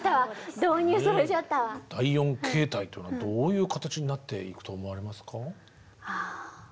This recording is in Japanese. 第４形態というのはどういう形になっていくと思われますか？